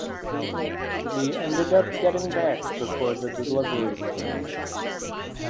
He ended up getting back before the delivery came.